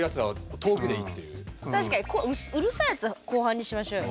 確かにうるさいやつは後半にしましょうよ。